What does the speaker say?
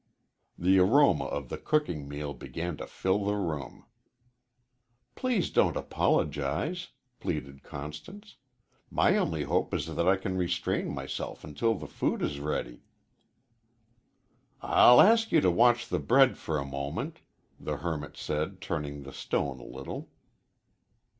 The aroma of the cooking meal began to fill the room. "Please don't apologize," pleaded Constance. "My only hope is that I can restrain myself until the food is ready." "I'll ask you to watch the bread for a moment," the hermit said, turning the stone a little.